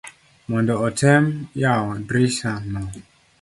mondo otem yawo drisa no